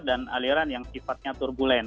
dan aliran yang sifatnya turbulent